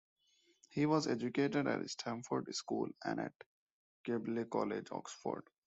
He was educated at Stamford School and at Keble College, Oxford.